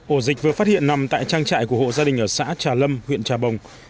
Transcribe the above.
ổ dịch vừa phát hiện nằm tại trang trại của hộ gia đình ở xã trà lâm huyện trà bồng